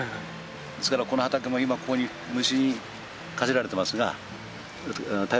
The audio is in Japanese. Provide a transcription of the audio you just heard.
ですからこの畑も今ここに虫にかじられてますが。